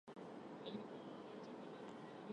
Եվ թող գնա: